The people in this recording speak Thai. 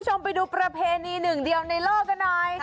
คุณผู้ชมไปดูประเพณี๑เดียวในโลกน้อย